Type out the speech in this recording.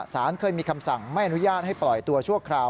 สารเคยมีคำสั่งไม่อนุญาตให้ปล่อยตัวชั่วคราว